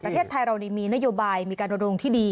ประเทศไทยเรามีนโยบายมีการดำรงค์ที่ดี